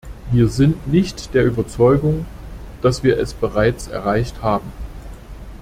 Wir sind nicht der Überzeugung, dass wir es bereits erreicht haben.